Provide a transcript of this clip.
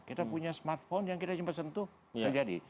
kita punya smartphone yang kita sempat sentuh terjadi